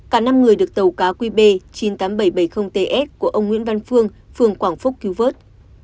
cả năm người được tàu cá qb chín mươi tám nghìn bảy trăm bảy mươi ts của ông nguyễn văn phương phường quảng phúc cứu vớt